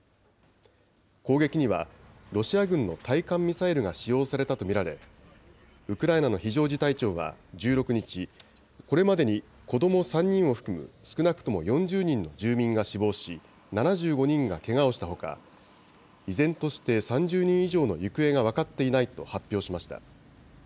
攻撃にはロシア軍の対艦ミサイルが使用されたと見られ、ウクライナの非常事態庁は１６日、これまでに子ども３人を含む少なくとも４０人の住民が死亡し、７５人がけがをしたほか、依然として３０人以上の行方が分かっていないと発表しました。